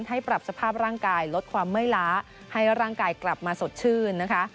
ให้ปรับสภาพร่างกายลดความเมื่อยล้าให้ร่างกายกลับมาสดชื่นนะคะ